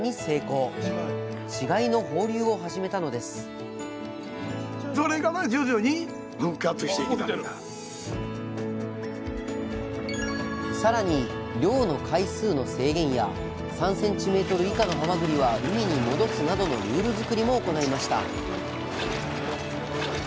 三重県の水産試験場と協力し更に漁の回数の制限や３ｃｍ以下のはまぐりは海に戻すなどのルール作りも行いました